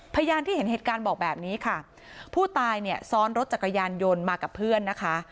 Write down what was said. พยานที่เห็นเหตุการณ์บอกแบบนี้ค่ะผู้ตายเนี่ยซ้อนรถจักรยานยนต์มากับเพื่อนนะคะ